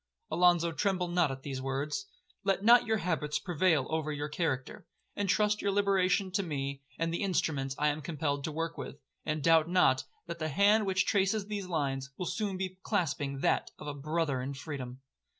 'Alonzo, tremble not at these words. Let not your habits prevail over your character. Entrust your liberation to me, and the instruments I am compelled to work with; and doubt not, that the hand which traces these lines, will soon be clasping that of a brother in freedom.'